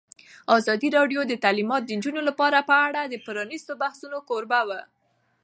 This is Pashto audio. ازادي راډیو د تعلیمات د نجونو لپاره په اړه د پرانیستو بحثونو کوربه وه.